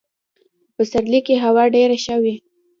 په پسرلي کي هوا ډېره ښه وي .